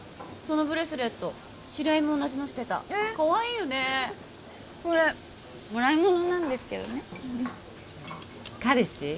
そのブレスレット知り合いも同じのしてたかわいいよねこれもらいものなんですけどね彼氏？